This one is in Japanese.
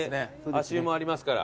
足湯もありますから。